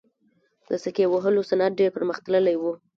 د سکې وهلو صنعت ډیر پرمختللی و